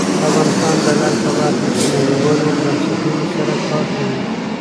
افغانستان د لعل په برخه کې نړیوالو بنسټونو سره کار کوي.